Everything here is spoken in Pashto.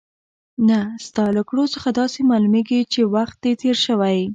نه، ستا له کړو څخه داسې معلومېږي چې وخت دې تېر شوی.